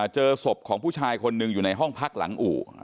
เจอศพของผู้ชายคนหนึ่งอยู่ในห้องพักหลังอู่